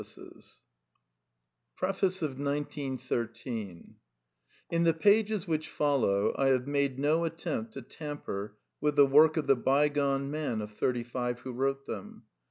• 235 PREFACE: 1913 In the pages which follow I have made no at tempt to tamper with the work of the bygone man of thirty five who wrote them.